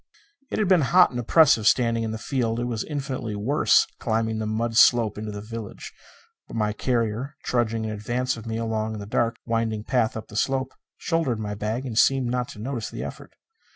It had been hot and oppressive standing in the field; it was infinitely worse climbing the mud slope into the village; but my carrier, trudging in advance of me along the dark, winding path up the slope, shouldered my bag and seemed not to notice the effort.